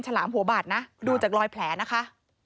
ฉลามหัวบาดนะดูจากรอยแผลนะคะ